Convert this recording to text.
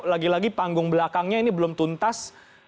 lagi lagi panggung belakangnya ini belum tuntas